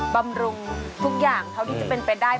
บำรุงทุกอย่างเท่าที่จะเป็นไปได้